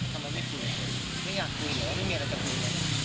ทำไมไม่คุยไม่อยากคุยหรือว่าไม่มีอะไรจะคุยเลย